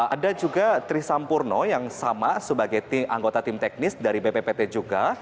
ada juga trisampurno yang sama sebagai anggota tim teknis dari bppt juga